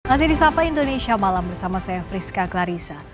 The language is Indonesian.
masih disapa indonesia malam bersama saya friska clarissa